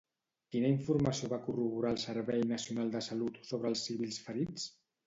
Quina informació va corroborar el Servei Nacional de Salut sobre els civils ferits?